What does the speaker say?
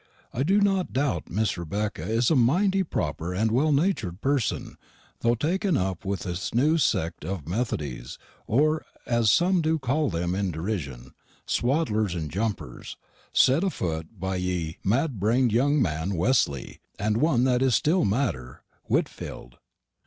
I do not dout but Mrs. Rebecka is a mitey proper and well natur'd person, tho' taken upp with this new sekt of methodys, or, as sum do call them in derission, swaddlers and jumpers, set afoot by ye madbrain'd young man, Wesley, and one that is still madder, Witfelde.